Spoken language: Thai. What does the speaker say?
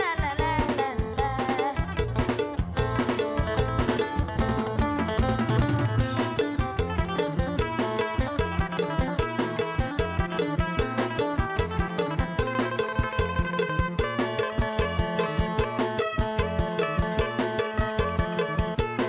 แล้วข้าวสุดท้ายแล้วเล่นแร่เล่นแร่เล่นแร่